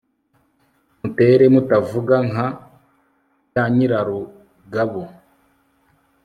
mutere mutavuga nka byanyirarugabo